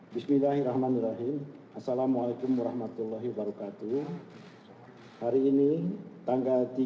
bismillahirrahmanirrahim assalamualaikum warahmatullahi wabarakatuh hari ini tanggal